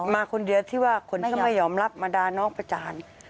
มาคนเดียวที่ว่าคนก็ไม่ยอมรับมาด่าน้องประจาน